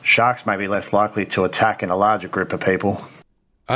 si hantu mungkin lebih kurang sempurna menyerang dalam grup yang lebih besar